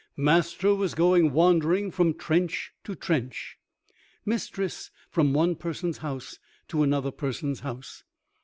Master was going wandering from trench to trench, Mistress from one person's house to another person's house.